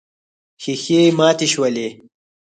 ښيښې ماتې شولې.